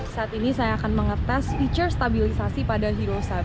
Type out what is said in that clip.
saat ini saya akan mengetes feature stabilisasi pada hero satu